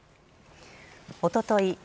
おととい